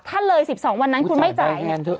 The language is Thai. เลย๑๒วันนั้นคุณไม่จ่าย